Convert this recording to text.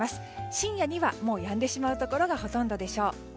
深夜ではやんでしまうところがほとんどでしょう。